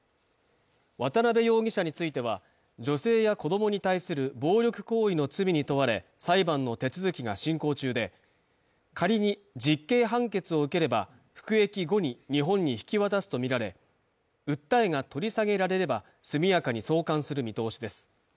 渡辺容疑者については、女性や子供に対する暴力行為の罪に問われ、裁判の手続きが進行中で、仮に実刑判決を受ければ、服役後に日本に引き渡すとみられ訴えが取り下げられれば速やかに送還する見通しです。